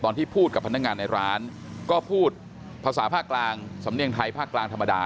ที่พูดกับพนักงานในร้านก็พูดภาษาภาคกลางสำเนียงไทยภาคกลางธรรมดา